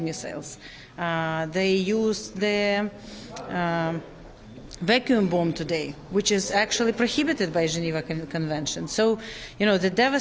mereka menggunakan bom vakum hari ini yang sebenarnya diperhitungkan oleh pertemuan geneva